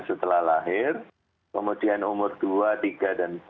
setelah lahir kemudian umur dua tiga dan empat